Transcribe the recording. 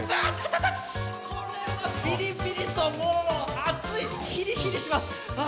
これはビリビリと、もう熱いヒリヒリします。